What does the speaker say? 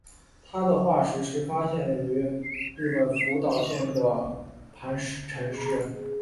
它的化石是发现于日本福岛县的磐城市。